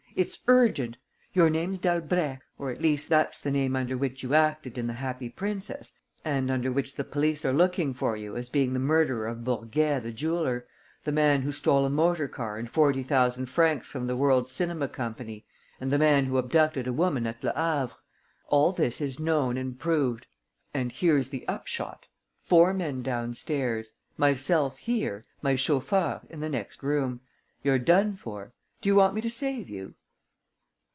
It's urgent. Your name's Dalbrèque, or, at least, that's the name under which you acted in The Happy Princess and under which the police are looking for you as being the murderer of Bourguet the jeweller, the man who stole a motor car and forty thousand francs from the World's Cinema Company and the man who abducted a woman at Le Havre. All this is known and proved ... and here's the upshot. Four men downstairs. Myself here, my chauffeur in the next room. You're done for. Do you want me to save you?"